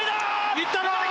いったな！